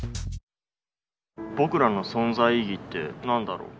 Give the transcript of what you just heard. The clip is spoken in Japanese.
僕らの存在意義って何だろう？